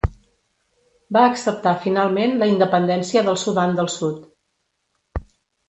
Va acceptar finalment la independència del Sudan del Sud.